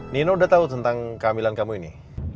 nino udah tahu tentang kehamilan kamu ini